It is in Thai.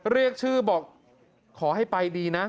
เรียกชื่อบอกขอให้ไปดีนะ